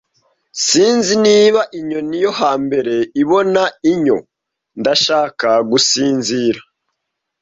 Sinzi niba inyoni yo hambere ibona inyo, ndashaka gusinzira.